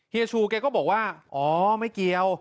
เฮียชูเขาก็บอกว่าอ๋อไม่เกี่ยว